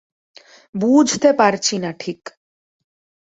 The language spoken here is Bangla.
বুঝতে পারছি না ঠিক।